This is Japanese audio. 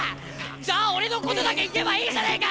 じゃあ俺のことだけ言えばいいじゃねえか！